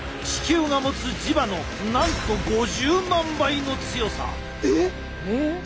地球が持つ磁場のなんと５０万倍の強さ。